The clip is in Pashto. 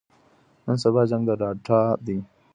نن سبا جنګ د ډاټا دی.